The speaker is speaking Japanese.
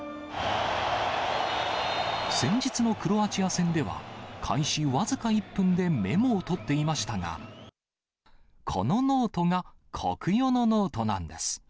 先日のクロアチア戦では、開始僅か１分でメモを取っていましたが、このノートがコクヨのノートなんです。